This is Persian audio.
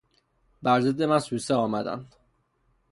بر ضد من سوسه آمدند.